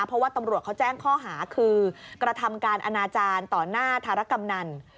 เพราะว่าตำรวจเขาแจ้งข้อหาคือกระทำการอนาจารย์ต่อหน้าธารกำนัน